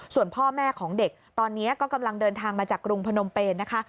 ส่วนพ่อแม่ของเด็กตอนนี้ก็กำลังเดินทางมาจากกรุงพนมเปนนะคะ